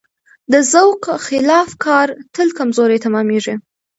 د ذوق خلاف کار تل کمزوری تمامېږي.